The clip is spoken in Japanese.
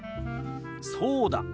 そうだ。